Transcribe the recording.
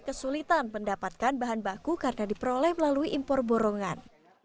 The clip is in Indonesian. kesulitan mendapatkan bahan baku karena diperoleh melalui impor borongan